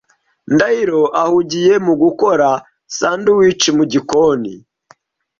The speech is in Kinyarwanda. Ndahiro ahugiye mu gukora sandwiches mu gikoni.